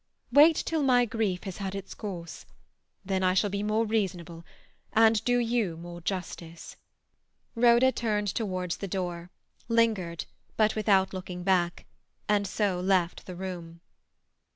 Wait till my grief has had its course; then I shall be more reasonable and do you more justice." Rhoda turned towards the door, lingered, but without looking back, and so left the room.